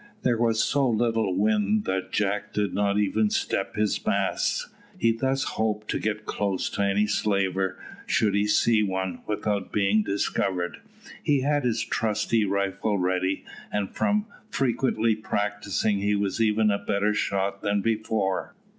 There was so little wind that Jack did not even step his masts. He thus hoped to get close to any slaver, should he see one, without being discovered. He had his trusty rifle ready, and from frequently practising he was even a better shot than before.